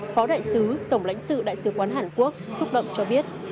phó đại sứ tổng lãnh sự đại sứ quán hàn quốc xúc động cho biết